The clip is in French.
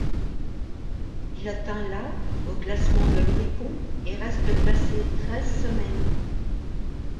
Il atteint la au classement de l'Oricon et reste classé treize semaines.